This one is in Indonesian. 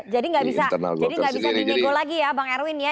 jadi gak bisa dinego lagi ya bang erwin ya